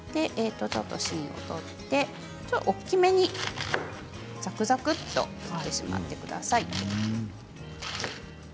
芯を取って大きめにザクザクと切ってしまってください。